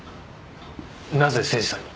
なぜ誠司さんに？